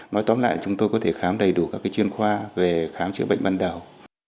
nói tóm lại chúng tôi có thể khám đầy đủ các chuyên khoa về khám chữa bệnh ban đầu